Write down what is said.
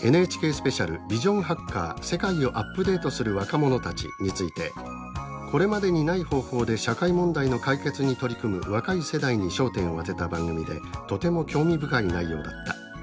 スペシャル「ビジョンハッカー世界をアップデートする若者たち」について「これまでにない方法で社会問題の解決に取り組む若い世代に焦点を当てた番組でとても興味深い内容だった。